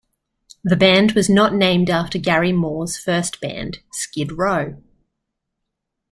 The band was not named after Gary Moore's first band, Skid Row.